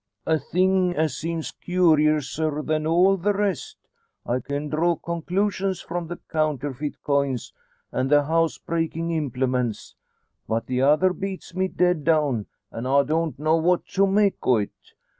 "A thing as seems kewrouser than all the rest. I can draw conclusions from the counterfeet coins, an' the house breakin' implements; but the other beats me dead down, an' I don't know what to make o't.